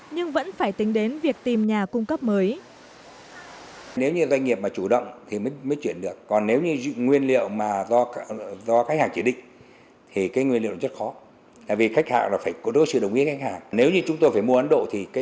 nhưng vẫn phải tính đến việc tìm nhà cung cấp mới